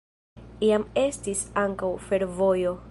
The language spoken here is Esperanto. Iam estis ankaŭ fervojo.